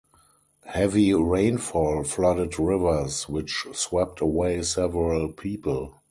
Heavy rainfall flooded rivers, which swept away several people.